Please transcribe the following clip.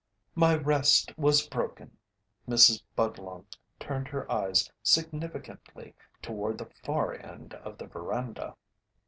"My rest was broken." Mrs. Budlong turned her eyes significantly toward the far end of the veranda.